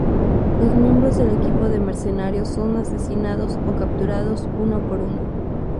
Los miembros del equipo de mercenarios son asesinados o capturados uno por uno.